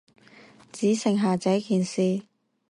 只剩下這件事